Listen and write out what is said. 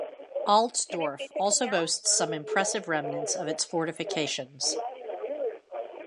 Altdorf also boasts some impressive remnants of its fortifications.